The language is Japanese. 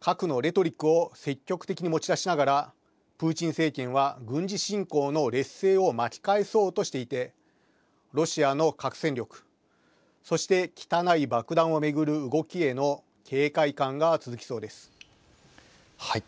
核のレトリックを積極的に持ち出しながらプーチン政権は軍事侵攻の劣勢を巻き返そうとしていてロシアの核戦力そして、汚い爆弾を巡る動きへのはい。